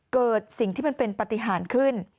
เกิดสิ่งที่มันเป็นปฏิหารขึ้น